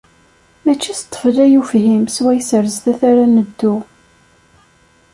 Mačči s ṭṭbel ay ufhim swayes ar sdat ara neddu.